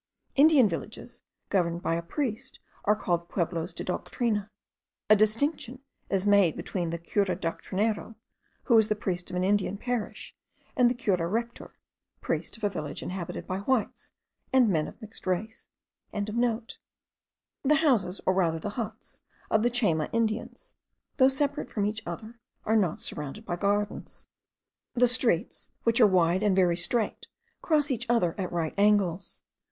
Indian villages, governed by a priest, are called Pueblos de doctrina. A distinction is made between the Cura doctrinero, who is the priest of an Indian parish, and the Cura rector, priest of a village inhabited by whites and men of mixed race.) The houses, or rather the huts of the Chayma Indians, though separate from each other, are not surrounded by gardens. The streets, which are wide and very straight, cross each other at right angles.